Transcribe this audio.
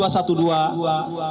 yang bertemu dengan presiden